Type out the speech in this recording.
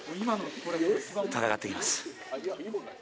戦ってきます。